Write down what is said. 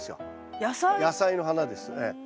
野菜の花ですええ。